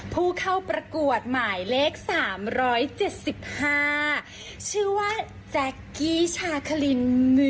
ผู้เข้าประกวดหมายเลขสามร้อยเจ็ดสิบห้าชื่อว่าแจ๊กกี้ชาคลิน